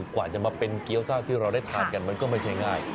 กว่าจะมาเป็นเกี้ยวซ่าที่เราได้ทานกันมันก็ไม่ใช่ง่าย